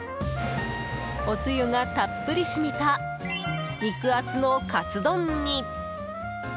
おつゆがたっぷり染みた肉厚のかつ丼に。